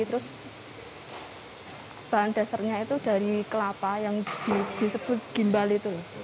terus bahan dasarnya itu dari kelapa yang disebut gimbal itu